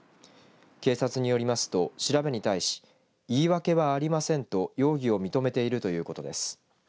警察によりますと調べに対し言い訳はありませんと容疑を認めているということです。